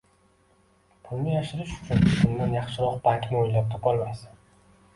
Pulni yashirish uchun bundan yaxshiroq bankni o`ylab topolmaysan